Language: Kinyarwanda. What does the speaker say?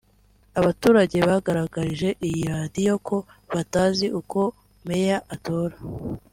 Abaturage bagaragarije iyi radiyo ko batazi uko meya atorwa